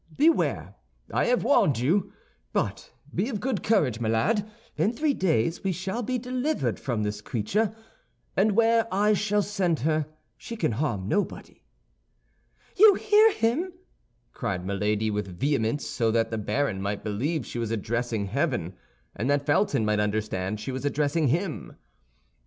Beware! I have warned you! But be of good courage, my lad; in three days we shall be delivered from this creature, and where I shall send her she can harm nobody." "You hear him!" cried Milady, with vehemence, so that the baron might believe she was addressing heaven, and that Felton might understand she was addressing him.